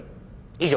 以上。